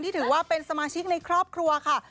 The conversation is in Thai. ถือว่าเป็นสมาชิกในครอบครัวค่ะ